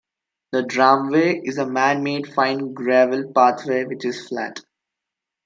The Dramway is a man-made fine gravel pathway which is flat.